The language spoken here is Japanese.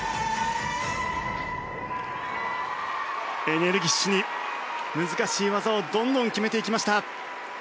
エネルギッシュに、難しい技をどんどん決めていきました。